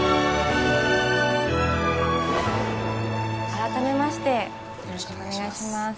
改めましてよろしくお願いします